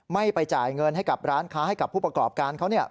ไม่ไปจ่ายเงินให้กับร้านค้าให้กับผู้ประกอบการเขาเนี่ย